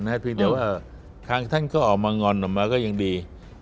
แค่ว่าทางท่านเศร้าก็ออกมางอนออกมาก็ยังดี